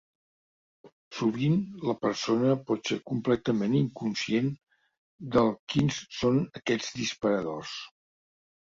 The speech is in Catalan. Sovint la persona pot ser completament inconscient del quins són aquests disparadors.